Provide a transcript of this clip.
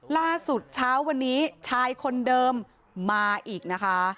ล่าสุดเช้าวันนี้ชายคนเดิมมาอีกนะคะ